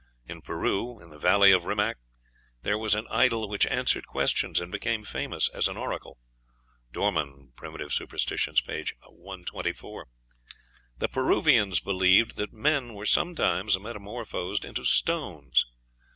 In Peru, in the valley of Rimac, there was an idol which answered questions and became famous as an oracle. (Dorman, "Prim. Superst.," p. 124.) The Peruvians believed that men were sometimes metamorphosed into stones.